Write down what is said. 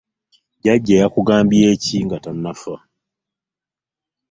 Jjajja yakugambye ki nga tanaba kufa?